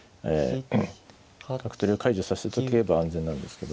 角取りを解除させとけば安全なんですけど。